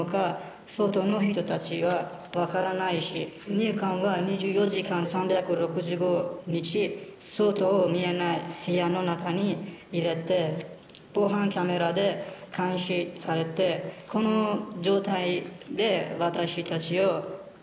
「入管は２４時間３６５日外も見えない部屋の中に入れて防犯カメラで監視されてこの状態で私たちを暮らしています。